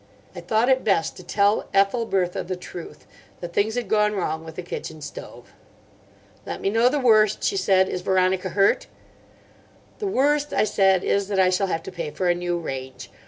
I thought it best to tell Ethelbertha the truth; that things had gone wrong with the kitchen stove. "Let me know the worst," she said. "Is Veronica hurt?" "The worst," I said, "is that I shall have to pay for a new range.